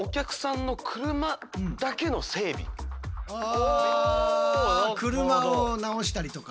あ車を直したりとか。